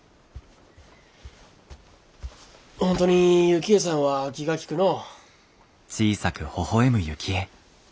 本当に雪衣さんは気が利くのう。